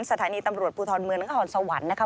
สถานีตำรวจภูทรเมืองนครสวรรค์นะคะ